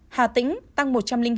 hà tĩnh tăng một trăm linh hai